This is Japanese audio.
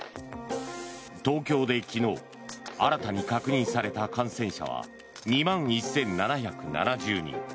東京で昨日新たに確認された感染者は２万１７７０人。